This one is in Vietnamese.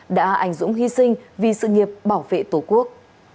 đã ảnh dũng hy sinh vì sự nghiệp bảo vệ tổ quốc